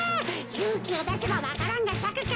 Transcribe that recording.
ゆうきをだせばわか蘭がさくか？